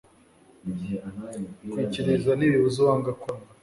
kwikiriza ntibibuza uwanga kwanga